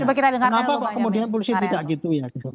kenapa kok kemudian polisi tidak gitu ya